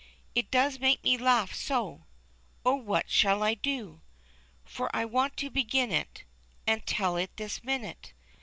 It does make me laugh so ! oh, what shall I do ? For I want to begin it And tell it this minute.